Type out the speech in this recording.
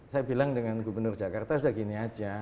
saya bilang dengan gubernur jakarta sudah gini aja